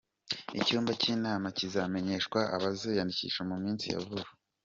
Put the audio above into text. Icyumba cy’inama kizamenyeshwa abaziyandikisha mu minsi ya vuba.